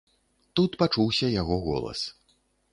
Тут пачуўся яго голас.